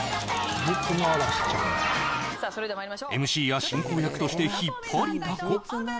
ＭＣや進行役として引っ張りだこ。